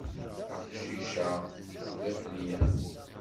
Aqcic-a d afinyan.